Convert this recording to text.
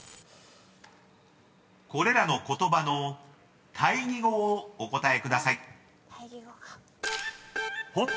［これらの言葉の対義語をお答えください］